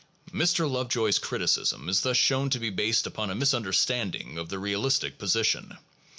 Mr. Lovejoy's criticism is thus shown to be based upon a misunderstanding of the realistic position.